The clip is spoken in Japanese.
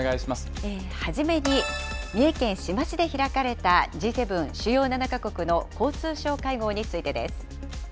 初めに、三重県志摩市で開かれたＧ７・主要７か国の交通相会合についてです。